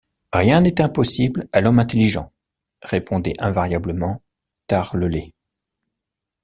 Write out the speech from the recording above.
Rien n’est impossible à l’homme intelligent! répondait invariablement Tarlelett.